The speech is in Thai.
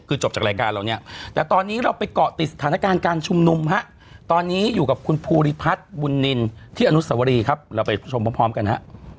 คือจบจากรายการเราเนี่ยแต่ตอนนี้เราไปเกาะติดสถานการณ์การชุมนุมฮะตอนนี้อยู่กับคุณภูริพัฒน์บุญนินที่อนุสวรีครับเราไปชมพร้อมกันฮะ